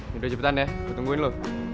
yaudah cepetan ya gue tungguin lo